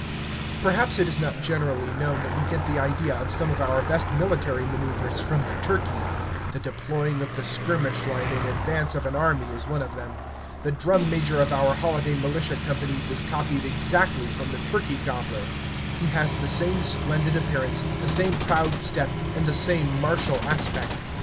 Perhaps it is not generally known that we get the idea of some of our best military maneuvers from the turkey. The deploying of the skirmish line in advance of an army is one of them. The drum major of our holiday militia companies is copied exactly from the turkey gobbler; he has the same splendid appearance, the same proud step, and the same martial aspect.